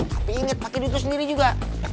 tapi inget pakai duit sendiri juga